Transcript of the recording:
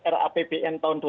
rapbn tahun dua ribu dua puluh